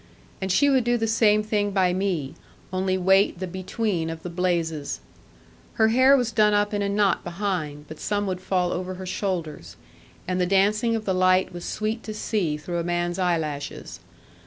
And she would do the same thing by me, only wait the between of the blazes. Her hair was done up in a knot behind, but some would fall over her shoulders; and the dancing of the light was sweet to see through a man's eyelashes.